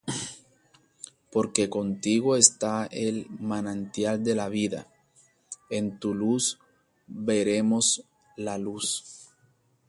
Porque contigo está el manantial de la vida: En tu luz veremos la luz.